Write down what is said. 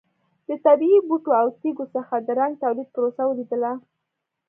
د طبیعي بوټو او تېږو څخه د رنګ تولید پروسه ولیدله.